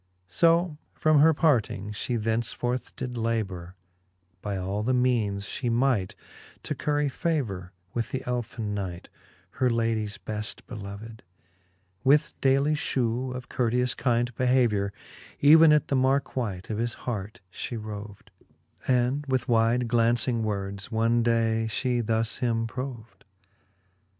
So from her parting, fhe thenceforth did labour By all the meanes fhe might, to curry favour With th'elfin knight, her ladies beft beloved ; With daily fhew of courteous kind behaviour, Even at the markewhite of his hart fhe roved, And with wide glauncing words, one day fhe thus him proved : XXXVI.